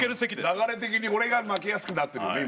流れ的に俺が負けやすくなってるよね